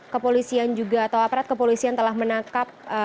kepolisian juga atau aparat kepolisian telah menangkap